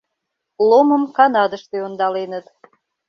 Ломым Канадыште ондаленыт.